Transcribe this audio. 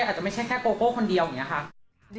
อาจจะไม่ใช่แค่โกโก้คนเดียวอย่างนี้ค่ะ